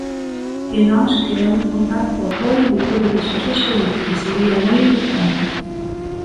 E nós queremos contar co apoio de todas as forzas políticas, sería moi importante.